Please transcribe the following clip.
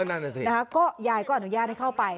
นั่นน่ะสินะคะก็ยายก็อนุญาตให้เข้าไป